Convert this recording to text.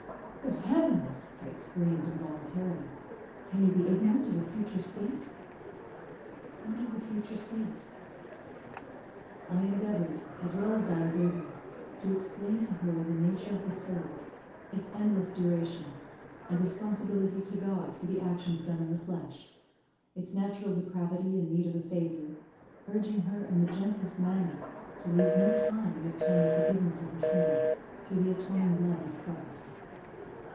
"Good heavens!" I exclaimed involuntarily; "can you be ignorant of a future state?" "What is a future state?" I endeavoured, as well as I was able, to explain to her the nature of the soul, its endless duration, and responsibility to God for the actions done in the flesh; its natural depravity and need of a Saviour; urging her, in the gentlest manner, to lose no time in obtaining forgiveness of her sins, through the atoning blood of Christ.